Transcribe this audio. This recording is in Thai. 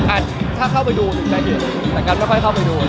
อาจถ้าเข้าไปดูจนจะเห็นแต่กั้นไม่ค่อยเข้าไปดูเลย